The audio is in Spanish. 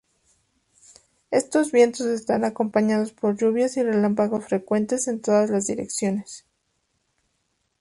Estos vientos están acompañados por lluvias y relámpagos frecuentes en todas las direcciones.